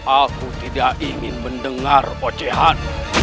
aku tidak ingin mendengar pocehan